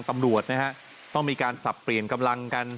ตำรวจนะฮะต้องมีการสับเปลี่ยนกำลังกัน